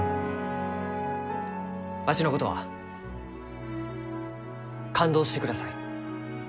わしのことは勘当してください。